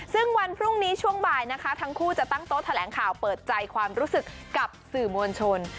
ซึ่งวันพรุ่งนี้ช่วงบ่ายนะคะทั้งคู่จะตั้งโต๊ะแถลงข่าวเปิดใจความรู้สึกกับสื่อมวลชน